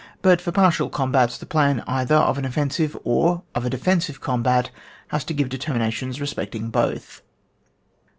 But for partial combats, the plan either of an offensive, or of a defensive combat, has to give determinations re specting both.